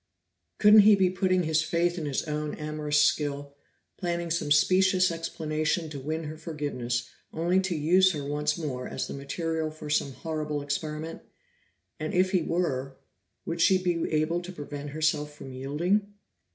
Couldn't he be putting his faith in his own amorous skill, planning some specious explanation to win her forgiveness only to use her once more as the material for some horrible experiment? And if he were, would she be able to prevent herself from yielding?